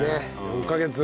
４カ月。